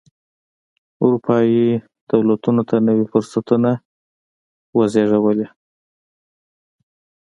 اروپايي دولتونو ته نوي فرصتونه وزېږولې.